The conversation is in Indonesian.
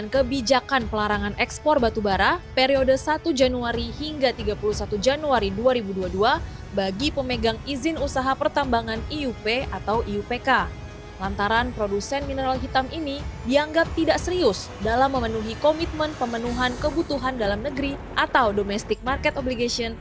kaleidoskop ekonomi indonesia tahun dua ribu dua puluh dua